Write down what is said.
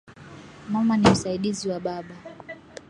Mama ni msaidizi wa baba